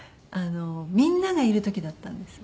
みんながいる時だったんです。